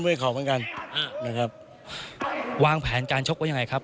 มวยเข่ากันนะครับวางแผนการชกว่ายังไงครับ